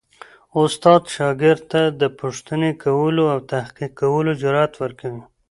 استاد شاګرد ته د پوښتنې کولو او تحقیق کولو جرئت ورکوي.